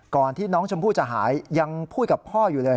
ก่อนที่น้องชมพู่จะหายยังพูดกับพ่ออยู่เลย